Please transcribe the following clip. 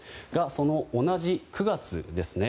その同じ９月ですね。